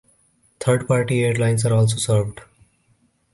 Third party airlines are also served.